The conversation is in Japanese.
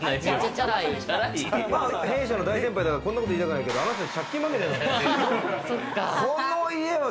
弊社の大先輩だからこういうこと言いたくないけど、あの人たち、借金まみれなのよ。